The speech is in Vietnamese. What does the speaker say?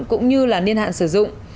cũng như là niên hạn sử dụng